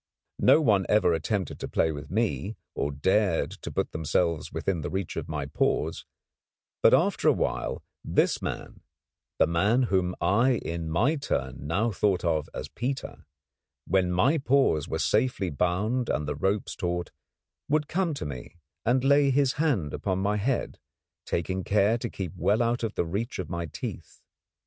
No one ever attempted to play with me, or dared to put themselves within reach of my paws; but after a while this man, the man whom I in my turn now thought of as Peter, when my paws were safely bound and the ropes taut, would come to me and lay his hand upon my head, taking care to keep well away out of reach of my teeth.